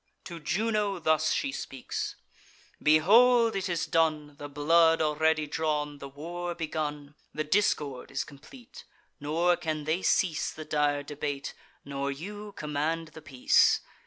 To Juno thus she speaks: "Behold! It is done, The blood already drawn, the war begun; The discord is complete; nor can they cease The dire debate, nor you command the peace.